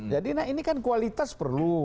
jadi ini kan kualitas perlu